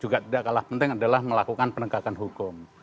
juga tidak kalah penting adalah melakukan penegakan hukum